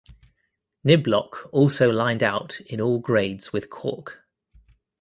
Niblock also lined out in all grades with Cork.